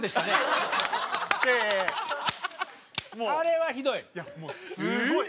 あれはひどい！